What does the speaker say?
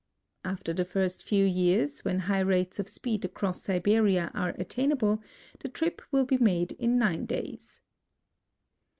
After the first few years, when high rates <4' speed across Siberia are attainable, the trip will be made in nine days.